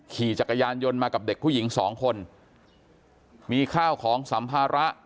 ขี่จักรยานยนต์มากับเด็กผู้หญิงสองคนมีข้าวของสัมภาระ